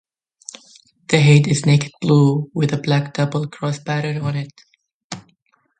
The head is naked blue, with a black double cross pattern on it.